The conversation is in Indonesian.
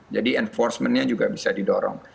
jadi enforcement nya juga bisa didorong